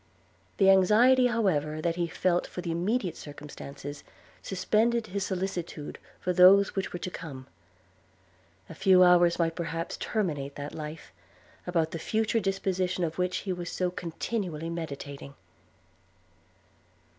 The anxiety however that he felt for the immediate circumstances, suspended his solicitude for those which were to come. A few hours might perhaps terminate that life, about the future disposition of which he was so continually meditating.